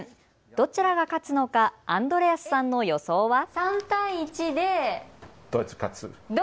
どちらが勝つのかアンドレアスさんの予想は。